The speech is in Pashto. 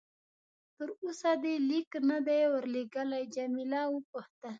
تر اوسه دې لیک نه دی ورلېږلی؟ جميله وپوښتل.